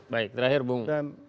baik terakhir bung